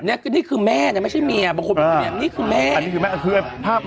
นี่คือแม่เนี่ยไม่ใช่เมียบางคนบอกว่าเนี่ยนี่คือแม่